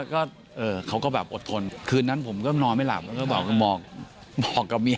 ก็เขาก็แบบอดทนคืนนั้นผมก็นอนไม่หลับแล้วก็บอกกับเมีย